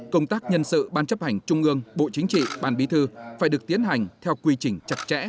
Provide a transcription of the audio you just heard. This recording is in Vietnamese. công tác nhân sự ban chấp hành trung ương bộ chính trị ban bí thư phải được tiến hành theo quy trình chặt chẽ